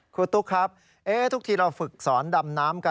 ตุ๊กครับทุกทีเราฝึกสอนดำน้ำกัน